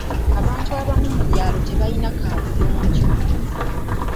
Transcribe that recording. Abantu abamu mu byalo tebalina kaabuyonjo.